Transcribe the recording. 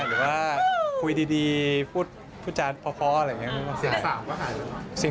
หรือว่าคุยดีพูดจานพออะไรอย่างนี้